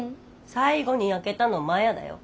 最後に開けたのマヤだよ。